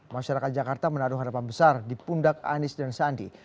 masyarakat jakarta menaruh harapan besar di pundak anies dan sandi